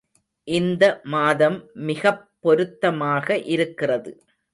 இந்த மாதம் மிகப் பொருத்தமாக இருக்கிறது.